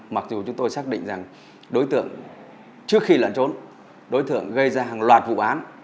mặc dù chúng tôi xác định rằng đối tượng trước khi lẩn trốn đối tượng gây ra hàng loạt vụ án